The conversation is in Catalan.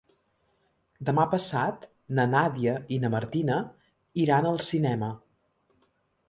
Demà passat na Nàdia i na Martina iran al cinema.